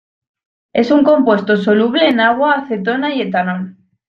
Es un compuesto soluble en agua, acetona y etanol.